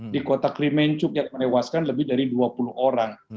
di kota krimencuk yang menewaskan lebih dari dua puluh orang